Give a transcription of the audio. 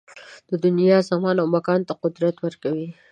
دنیا زمان او مکان ته قدر ورکوي